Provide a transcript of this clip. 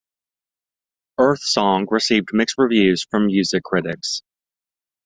"Earth Song" received mixed reviews from music critics.